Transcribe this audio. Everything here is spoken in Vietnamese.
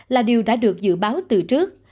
là điều đã được dự báo từ trước